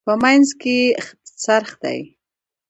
په منځ کې یې څرخ دی.